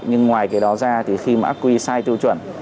nhưng ngoài cái đó ra khi ác quy sai tiêu chuẩn